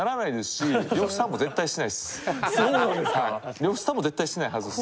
呂布さんも絶対しないはずです。